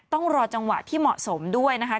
เป็นวักที่เหมาะสมด้วยนะคะ